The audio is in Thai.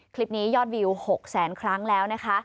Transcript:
คลิปนี้ยอดวิว๖แสนครั้งแล้วนะคะ